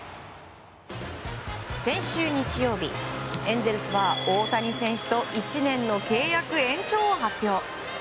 先週日曜日、エンゼルスは大谷選手と１年の契約延長を発表。